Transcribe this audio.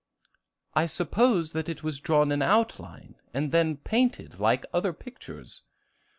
"I suppose that it was drawn in outline, and then painted, like other pictures."